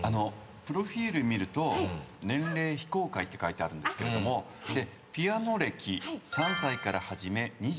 プロフィール見ると年齢非公開って書いてあるんですけどもピアノ歴３歳から始め２７年って。